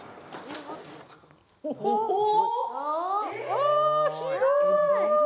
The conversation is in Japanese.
あ広い。